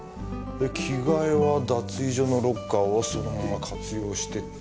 着替えは脱衣所のロッカーをそのまま活用してて。